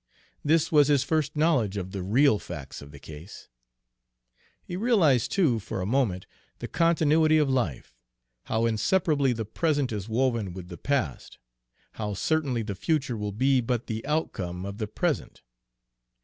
This was his first knowledge of the real facts of the case. He realized, too, for a moment, the continuity of life, how inseparably the present is woven with the past, how certainly the future will be but the outcome of the present.